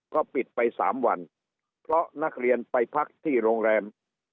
ก็ปิดไปสามวันเพราะนักเรียนไปพักที่โรงแรม